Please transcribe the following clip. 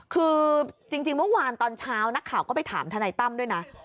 คือจริงเมื่อวานตอนเช้านักข่าวก็ไปถามทนายตั้มด้วยนะ